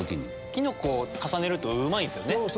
キノコ重ねるとうまいんすよね。